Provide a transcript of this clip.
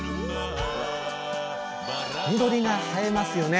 緑が映えますよね！